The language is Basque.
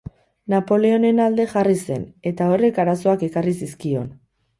Napoleonen alde jarri zen, eta horrek arazoak ekarri zizkion.